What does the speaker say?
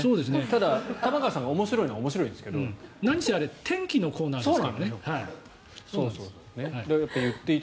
ただ、玉川さんが面白いのは面白いんですけど何せあれ天気のコーナーですからね。